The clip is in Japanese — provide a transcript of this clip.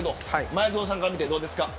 前園さんから見てどうですか。